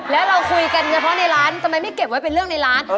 แล้วเราคุยกันเฉพาะในร้านทำไมไม่เก็บไว้เป็นเรื่องในร้าน